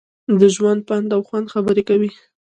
د ژوند، پند او خوند خبرې کوي.